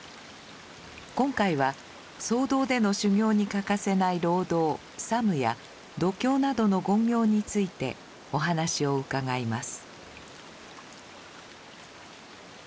今回は僧堂での修行に欠かせない労働作務や読経などの勤行についてお話を伺います。